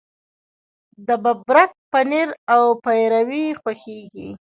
د ببرک پنیر او پیروی خوښیږي.